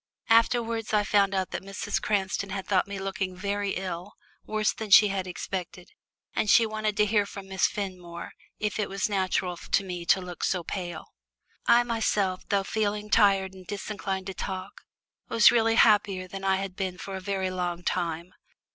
Afterwards I found out that Mrs. Cranston had thought me looking very ill, worse than she had expected, and she wanted to hear from Miss Fenmore if it was natural to me to look so pale. I myself, though feeling tired and disinclined to talk, was really happier than I had been for a very long time.